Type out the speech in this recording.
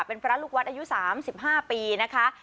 เป็นพระลูกวัดอายุสามสิบห้าปีนะคะ